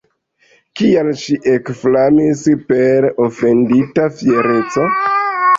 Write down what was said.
Kial ŝi ekflamis per ofendita fiereco?